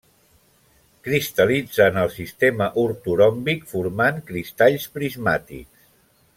Cristal·litza en el sistema ortoròmbic formant cristalls prismàtics.